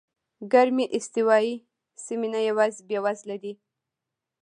ګرمې استوایي سیمې نه یوازې بېوزله دي.